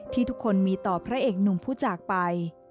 ที่ทุกคนมีต่อพระเอกหนุ่มผู้จากไป